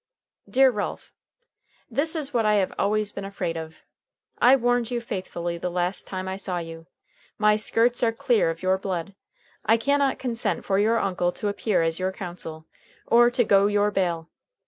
"Dear Ralph: "This is what I have always been afraid of. I warned you faithfully the last time I saw you. My skirts are clear of your blood, I can not consent for your uncle to appear as your counsel or to go your bail.